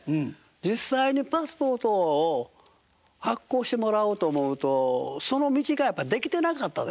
実際にパスポートを発行してもらおうと思うとその道がやっぱり出来てなかったですね。